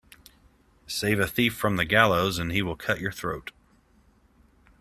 Save a thief from the gallows and he will cut your throat.